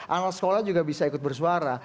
anak sekolah juga bisa ikut bersuara